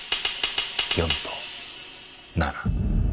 ４と７。